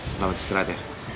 selamat istirahat ya